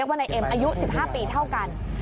อายุ๑๕ปีเท่ากัน